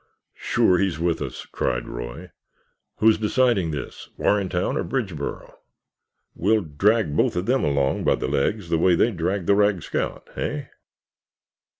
"Sure, he's with us!" cried Roy. "Who's deciding this, Warrentown or Bridgeboro? We'll drag both of them along by the legs the way they dragged the rag scout, hey?"